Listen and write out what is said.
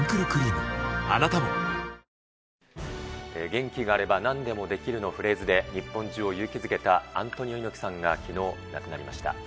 元気があればなんでもできるのフレーズで、日本中を勇気づけたアントニオ猪木さんがきのう、亡くなりました。